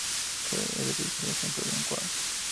Él utiliza el ejemplo de un cuadro.